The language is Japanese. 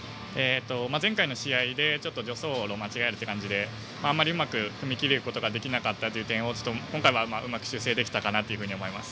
前回の試合で助走路を間違える感じであまりうまく踏み切ることができなかったという点を今回はうまく修正できたかなというふうに思います。